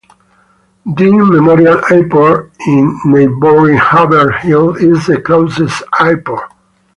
Dean Memorial Airport in neighboring Haverhill is the closest airport.